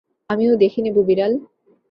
আমিও দেখে নেবো, বিড়াল।